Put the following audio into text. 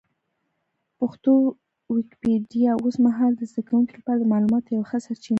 پښتو ويکيپېډيا اوس مهال د زده کوونکو لپاره د معلوماتو یوه ښه سرچینه ده.